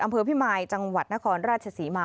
อำเภอพิมายจังหวัดนครราชศรีมา